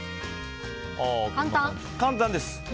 簡単です。